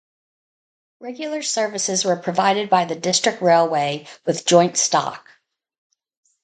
Regular services were provided by the District Railway with joint stock.